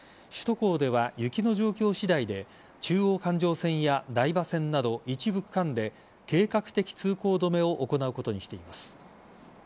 首都高では雪の状況次第で中央環状線や台場線など一部区間で計画的通行止めを行うことにしています。